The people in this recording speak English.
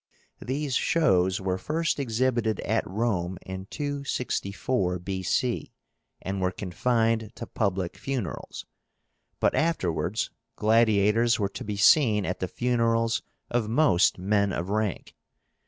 These shows were first exhibited at Rome in 264 B. c., and were confined to public funerals; but afterwards gladiators were to be seen at the funerals of most men of rank.